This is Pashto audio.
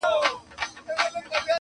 كنډواله كي نه هوسۍ نه يې درك وو!.